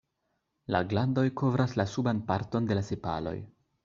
La glandoj kovras la suban parton de la sepaloj.